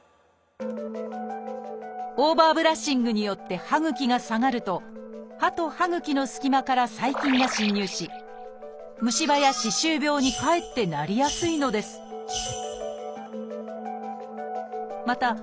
オーバーブラッシングによって歯ぐきが下がると歯と歯ぐきのすき間から細菌が侵入し虫歯や歯周病にかえってなりやすいのですまた